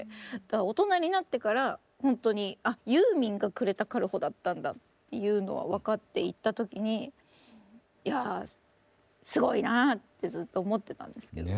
大人になってからほんとにあユーミンが呉田軽穂だったんだっていうのは分かっていった時にいやあすごいなあってずっと思ってたんですけど。